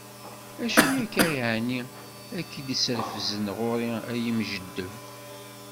Acu akka ɛni ay k-id-isrezfen ɣur-i ay imjeddeb?